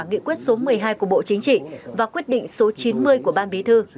nghị quyết số một mươi hai của bộ chính trị và quyết định số chín mươi của ban bí thư